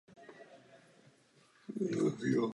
V závěru života se věnoval estetice.